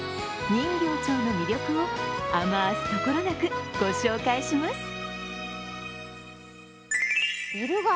人形町の魅力をあますところなく、ご紹介します